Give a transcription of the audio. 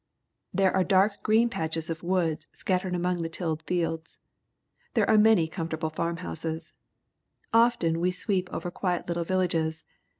There are dark green patches of woods scattered among the tilled fields. There are many comfortable farmhouses. Often we An Aerial View of Goderich, Ontario sweep over quiet little villages.